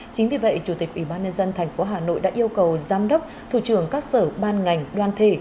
chính vì vậy chủ tịch ủy ban nhân dân tp hà nội đã yêu cầu giám đốc thủ trưởng các sở ban ngành đoàn thể